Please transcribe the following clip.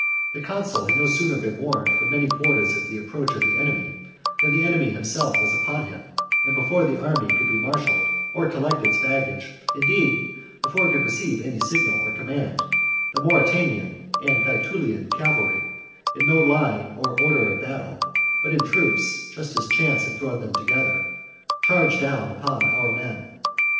The consul had no sooner been warned from many quarters of the approach of the enemy than the enemy himself was upon him, and, before the army could be marshalled or collect its baggage; indeed, before it could receive any signal or command, the Mauritanian and Gae tulian cavalry in no line or order of battle, but in troops, just as chance had thrown them together, charged down upon our men.